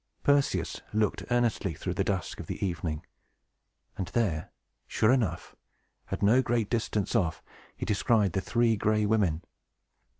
Perseus looked earnestly through the dusk of the evening, and there, sure enough, at no great distance off, he descried the Three Gray Women.